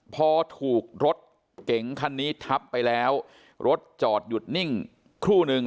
พอถูกรถเก๋งคันนี้ทับไปแล้วรถจอดหยุดนิ่งครู่นึง